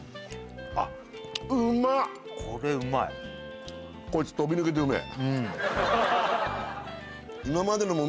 あっこれうまいうまっ！